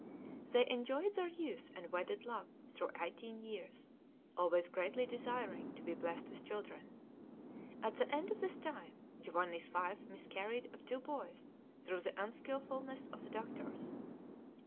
They enjoyed their youth and wedded love through eighteen years, always greatly desiring to be blessed with children. At the end of this time Giovanni's wife miscarried of two boys through the unskilfulness of the doctors.